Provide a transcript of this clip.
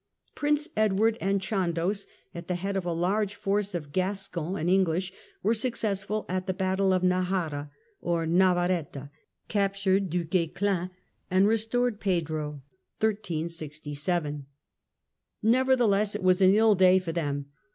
Prince Edward and Chandos, at the head of a large force of Gascons and English, were successful at the Battle of Najara or Navaretta, captured Du Guesclin and restored Pedro. Nevertheless it was an ill day for them.